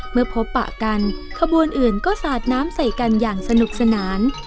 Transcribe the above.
เมื่อพบปะกันขบวนอื่นก็สาดน้ำใส่กันอย่างสนุกสนาน